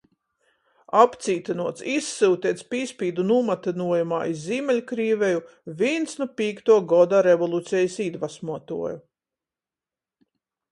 Apcītynuots, izsyuteits pīspīdu nūmatynuojumā iz Zīmeļkrīveju, vīns nu Pīktuo goda revolucejis īdvasmuotuoju,